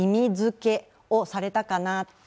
づけをされたかなって。